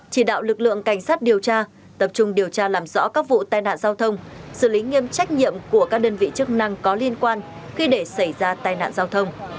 chỉ đạo lực lượng cảnh sát điều tra tập trung điều tra làm rõ các vụ tai nạn giao thông xử lý nghiêm trách nhiệm của các đơn vị chức năng có liên quan khi để xảy ra tai nạn giao thông